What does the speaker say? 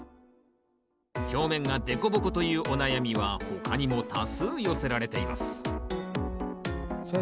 表面がデコボコというお悩みは他にも多数寄せられています先生